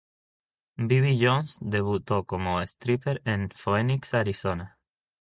Bibi Jones debutó como stripper en Phoenix, Arizona.